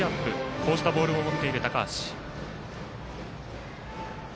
こうしたボールを持っている高橋。